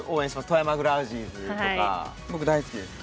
富山グラウジーズとか僕大好きです。